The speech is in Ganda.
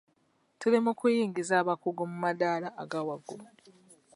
Tuli mu kuyingiza abakugu mu maddaala agawaggulu.